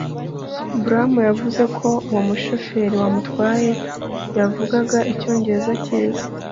Brom yavuze ko uwo mushoferi wamutwaye yavugaga Icyongereza cyiza